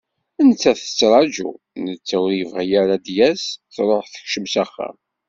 Nettat tettraju, netta ur yebɣi ara ad d-yas, truḥ tekcem s axxam.